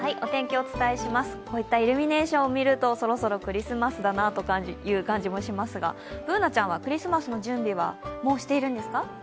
こういったイルミネーションを見るとそろそろクリスマスだなという感じもしますがＢｏｏｎａちゃんはクリスマスの準備はもうしているんですか？